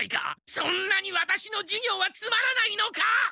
そんなにワタシの授業はつまらないのか？